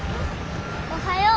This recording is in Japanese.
おはよう。